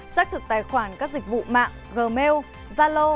xác thực tài khoản các dịch vụ mạng gmail gia lô